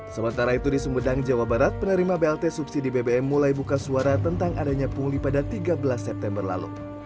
sementara itu di sumedang jawa barat penerima blt subsidi bbm mulai buka suara tentang adanya pungli pada tiga belas september lalu